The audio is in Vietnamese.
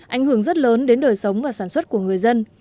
ảnh hưởng rất lớn đến đời sống và sản xuất của người dân